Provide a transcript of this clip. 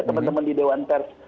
teman teman di dewan pers